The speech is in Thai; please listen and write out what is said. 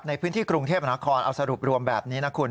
ในพื้นที่กรุงเทพนครเอาสรุปรวมแบบนี้นะคุณ